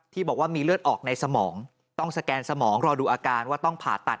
บอกว่ามีเลือดออกในสมองต้องสแกนสมองรอดูอาการว่าต้องผ่าตัด